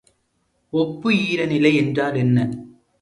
ஒப்பு ஈரநிலை என்றால் என்ன?